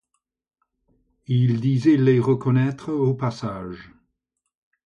Il disait les reconnaître au passage.